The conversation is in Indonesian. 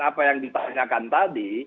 apa yang ditanyakan tadi